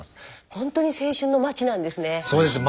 ほんとに青春の街なんですね。